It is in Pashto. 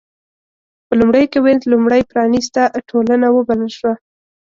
په لومړیو کې وینز لومړۍ پرانېسته ټولنه وبلل شوه.